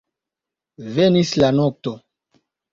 Venis la nokto.